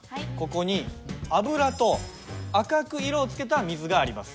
ここに油と赤く色をつけた水があります。